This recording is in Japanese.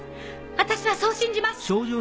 私はそう信じます。